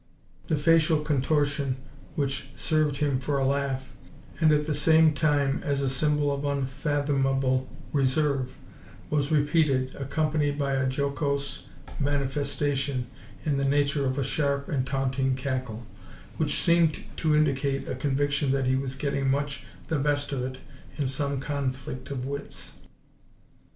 The facial contortion which served him for a laugh, and at the same time as a symbol of unfathomable reserve, was repeated, accompanied by a jocose manifestation, in the nature of a sharp and taunting cackle, which seemed to indicate a conviction that he was getting much the best of it in some conflict of wits.